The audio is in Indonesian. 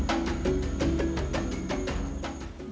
peraturan yang berlaku di dalam kajang dalam